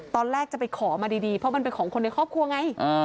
ตอนแรกจะไปขอมาดีเพราะมันเป็นของคนในครอบครัวไง